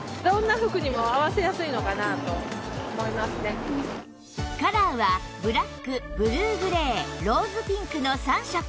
やっぱりカラーはブラックブルーグレーローズピンクの３色